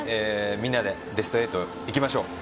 みんなでベスト８行きましょう。